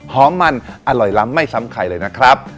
หอมมันอร่อยล้ำไม่ซ้ำใครเลยนะครับ